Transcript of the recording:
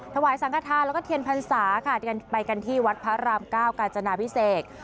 ถวายสังกฐานแล้วก็เทียนพรรษาค่ะไปกันที่วัดพระรามเก้ากาจนาพิเศษ